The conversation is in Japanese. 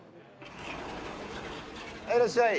はいいらっしゃい。